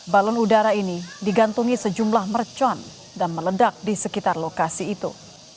balon udara ini digantungi sejumlah mercon dan meledak di sekitar lokasi itu